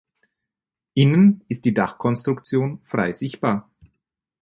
Innen ist die Dachkonstruktion frei sichtbar.